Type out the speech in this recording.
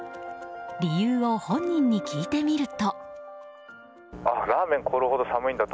理由を本人に聞いてみると。